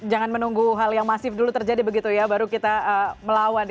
jangan menunggu hal yang masif dulu terjadi begitu ya baru kita melawan